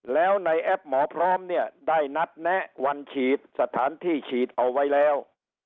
แล้วในแอปหมอพร้อมเนี่ยได้นัดแนะวันฉีดสถานที่ฉีดเอาไว้แล้ว